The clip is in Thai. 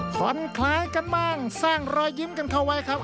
ผ่อนคล้ายกันบ้างสร้างรอยยิ้มกันเข้าไว้ครับ